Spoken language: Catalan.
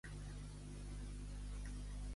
Amb qui es trobarà ella?